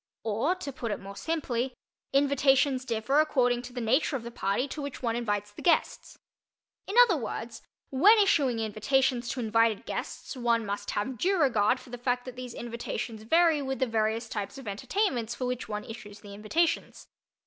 Or, to put it more simply, invitations differ according to the nature of the party to which one invites the guests. In other words, when issuing invitations to invited guests one must have due regard for the fact that these invitations vary with the various types of entertainments for which one issues the invitations.